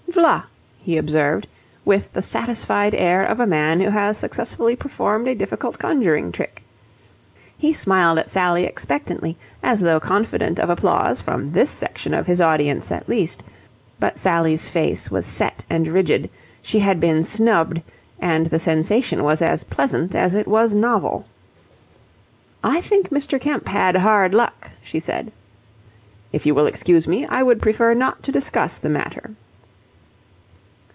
"V'la!" he observed, with the satisfied air of a man who has successfully performed a difficult conjuring trick. He smiled at Sally expectantly, as though confident of applause from this section of his audience at least. But Sally's face was set and rigid. She had been snubbed, and the sensation was as pleasant as it was novel. "I think Mr. Kemp had hard luck," she said. "If you will excuse me, I would prefer not to discuss the matter."